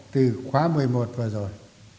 từ khóa một mươi một vừa rồi